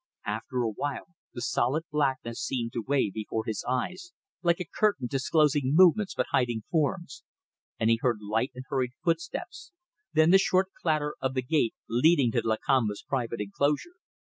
After a while the solid blackness seemed to wave before his eyes like a curtain disclosing movements but hiding forms, and he heard light and hurried footsteps, then the short clatter of the gate leading to Lakamba's private enclosure.